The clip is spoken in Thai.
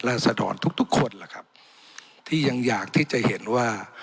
ศดรทุกทุกคนล่ะครับที่ยังอยากที่จะเห็นว่า